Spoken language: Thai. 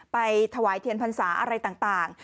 ไปถวายเทียนพรรษาอะไรต่าง